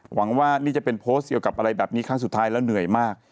หวังว่านี่จะเป็นโพสต์เกี่ยวกับอะไรแบบนี้ครั้งสุดท้ายแล้วเหนื่อยมาก